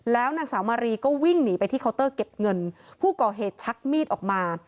แล้วนางสาวมารีก็วิ่งหนีไปที่เคาน์เตอร์เก็บเงินผู้ก่อเหตุชักมีดออกมา